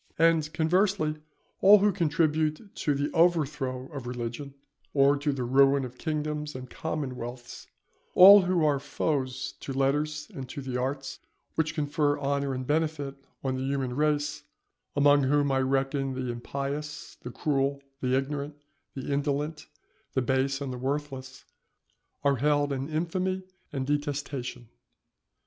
And, conversely, all who contribute to the overthrow of religion, or to the ruin of kingdoms and commonwealths, all who are foes to letters and to the arts which confer honour and benefit on the human race (among whom I reckon the impious, the cruel, the ignorant, the indolent, the base and the worthless), are held in infamy and detestation.